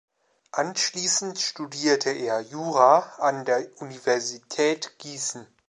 Anschließend studierte er Jura an der Universität Gießen.